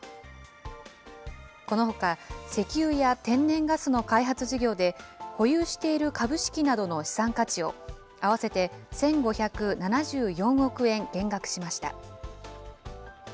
このほか、石油や天然ガスの開発事業で、保有している株式などの資産価値を合わせて１５７４億円減額しました。